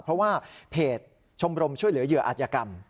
เพราะว่าเพจชมรมช่วยเหลือเหยื่ออาจยกรรม